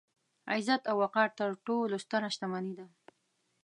عزت او وقار تر ټولو ستره شتمني ده.